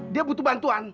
dia butuh bantuan